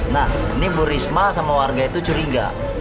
nah ini bu risma sama warga itu curiga